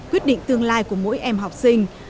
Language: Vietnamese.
quyết định tương lai của mỗi em học sinh